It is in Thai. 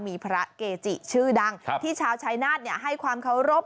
มีพระเกจิชื่อดังที่ชาวชายนาฏให้ความเคารพ